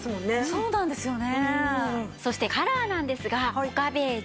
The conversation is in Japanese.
そうなんですよね。